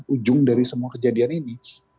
ujung dari semua kejadian ini